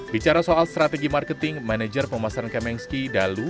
bicara soal strategi marketing manajer pemasaran kamengski dalu